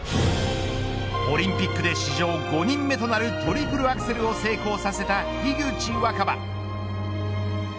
オリンピックで史上５人目となるトリプルアクセルを成功させた樋口新葉。